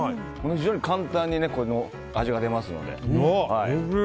非常に簡単にこの味が出ますので。